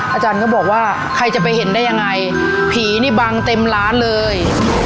อาจารย์ก็บอกว่าใครจะไปเห็นได้ยังไงผีนี่บังเต็มร้านเลย